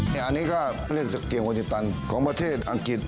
เรียกว่าตะเกียงวจิตันของประเทศอังกฤษ